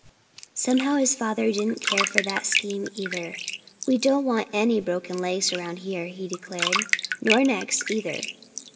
Somehow his father didn't care for that scheme either. "We don't want any broken legs around here," he declared, "nor necks, either.